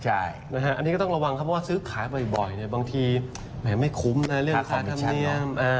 อันนี้ก็ต้องระวังครับเพราะว่าซื้อขายบ่อยบางทีแหมไม่คุ้มนะเรื่องค่าธรรมเนียม